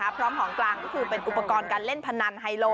พร้อมของกลางก็คือเป็นอุปกรณ์การเล่นพนันไฮโล